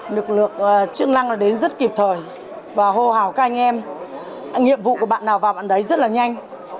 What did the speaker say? lực lượng chức năng đã đến rất kịp thời và hô hào các anh em nhiệm vụ của bạn nào vào bạn đấy rất là nhanh